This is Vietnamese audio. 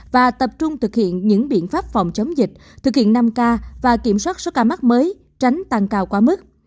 và tập trung thực hiện những biện pháp phòng chống dịch thực hiện năm k và kiểm soát số ca mắc mới tránh tăng cao quá mức